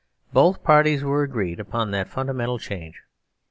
Both parties were agreed upon that funda mental change.